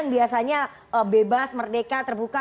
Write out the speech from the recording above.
biasanya bebas merdeka terbuka